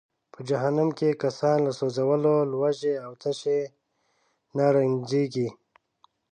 په جهنم کې کسان له سوځولو، لوږې او تشې نه رنجیږي.